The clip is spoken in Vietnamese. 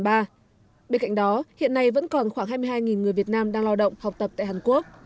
bên cạnh đó hiện nay vẫn còn khoảng hai mươi hai người việt nam đang lo động học tập tại hàn quốc